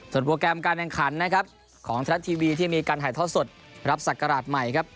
ส่วนโปรแกรมการแข่งขันนะครับของทนัดทีวีที่มีการถ่ายทอดสดรับศักราชใหม่ครับ